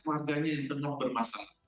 warganya yang tenang bermasalah